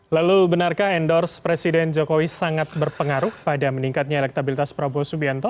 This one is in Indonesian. lalu benarkah endorse presiden jokowi sangat berpengaruh pada meningkatnya elektabilitas prabowo subianto